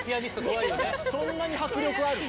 そんなに迫力ある？